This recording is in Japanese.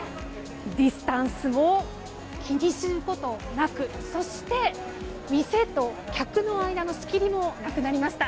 ディスタンスも気にすることなくそして、店と客の間の仕切りもなくなりました。